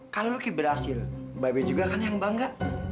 kalau lucky berhasil bebe juga kan yang bangga